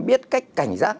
biết cách cảnh giác